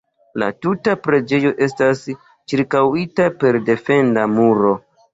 La tuta preĝejo estas ĉirkaŭita per defenda muro.